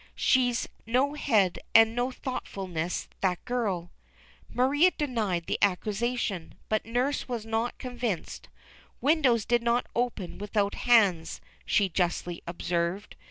She's no head and no thoughtfulness, that gild." Maria denied the accusation, but Nurse was not con vinced. "Windows did not open without hands," she justly observed.